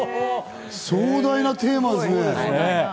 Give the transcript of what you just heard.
壮大なテーマですね。